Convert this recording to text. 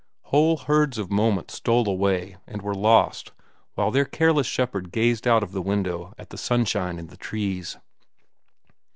Whole herds of moments stole away and were lost while their careless shepherd gazed out of the window at the sunshine and the trees.